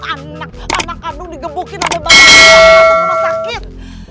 anak anak kadung digebukin ada bangsa bangsa atau mau sakit